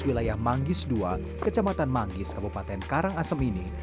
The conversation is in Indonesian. wilayah manggis ii kecamatan manggis kabupaten karangasem ini